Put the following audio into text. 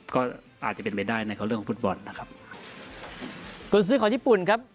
ก็อาจจะเป็นไปได้ในเรื่องฟุตบอลนะครับ